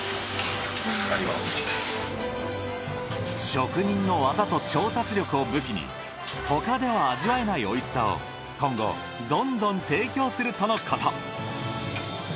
職人の技と調達力を武器に他では味わえないおいしさを今後どんどん提供するとのこと。